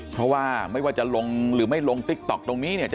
เพราะว่าไม่ว่าจะลงหรือไม่ลงติ๊กต๊อกตรงนี้เนี่ย